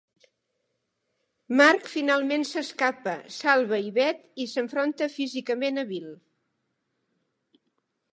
Mark finalment s'escapa, salva Yvette i s'enfronta físicament a Bill.